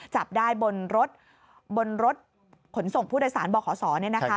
จับได้บนรถบนรถขนส่งผู้โดยสารบขศเนี่ยนะคะ